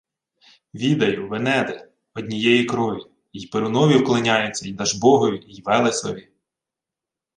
— Відаю: венеди. Однієї крові... Й Перунові вклоняються, й Дажбогові, й Велесові...